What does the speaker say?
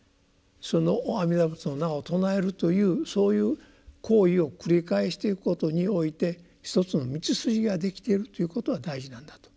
その阿弥陀仏の名を称えるというそういう行為を繰り返していくことにおいて一つの道筋ができているということが大事なんだと。